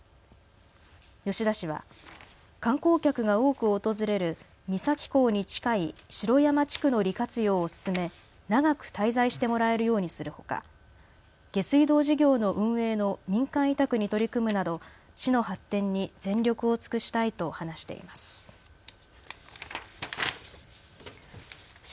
吉田氏は観光客が多く訪れる三崎港に近い城山地区の利活用を進め長く滞在してもらえるようにするほか下水道事業の運営の民間委託に取り組むなど、市の発展に全力を尽くしたいと話しています。